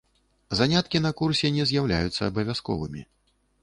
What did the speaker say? Заняткі на курсе не з'яўляюцца абавязковымі.